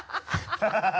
ハハハ